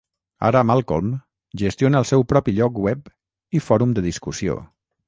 Ara Malcolm gestiona el seu propi lloc web i fòrum de discussió.